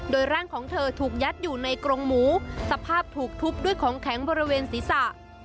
โดยร่างของเธอถูกยัดอยู่ในกรงหมูสภาพถูกทุบด้วยของแข็งบริเวณศีรษะ